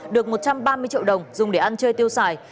được một trăm ba mươi triệu đồng dùng để ăn chơi tiêu xài